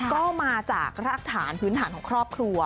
ก็มาจากรากฐานพื้นฐานของครอบครัว